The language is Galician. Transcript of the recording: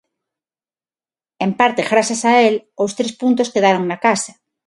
En parte grazas a el os tres puntos quedaron na casa.